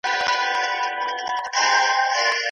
یو ناڅاپي پېښه د ټولنې احساسات راوپارول.